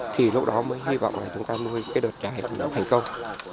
thì lúc đó mới hy vọng là chúng ta nuôi cây đọt trái thành công